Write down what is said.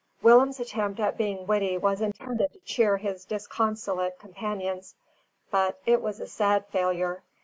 Willem's attempt at being witty was intended to cheer his disconsolate companions. But it was a sad failure.